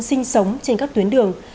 sinh sống trên các tuyến đường